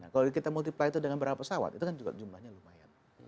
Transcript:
kalau kita multiply itu dengan berapa pesawat itu kan juga jumlahnya lumayan